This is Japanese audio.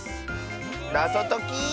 なぞとき。